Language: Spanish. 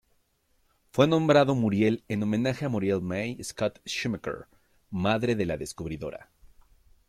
Fue nombrado Muriel en homenaje a "Muriel May Scott Shoemaker" madre de la descubridora.